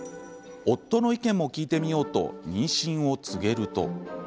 夫の意見も聞いてみようと妊娠を告げると。